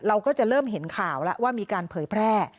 เราก็จะเริ่มเห็นข่าวแล้วว่ามีการเผยแพร่